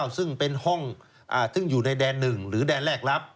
ซึ่งเป็นห้องที่อยู่ในแดนหนึ่งหรือแดนแรกลับ